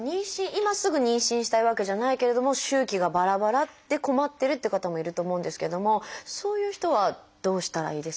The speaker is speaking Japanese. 今すぐ妊娠したいわけじゃないけれども周期がばらばらで困ってるって方もいると思うんですけれどもそういう人はどうしたらいいですか？